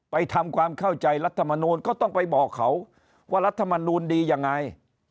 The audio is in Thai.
ทำความเข้าใจรัฐมนูลก็ต้องไปบอกเขาว่ารัฐมนูลดียังไง